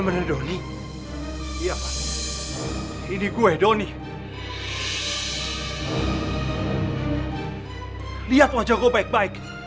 jangan tinggalin aku mas